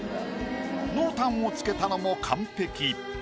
濃淡を付けたのも完璧。